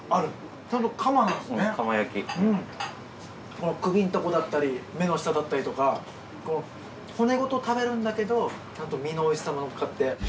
この首んとこだったり目の下だったりとかこう骨ごと食べるんだけどちゃんと身のおいしさものっかって。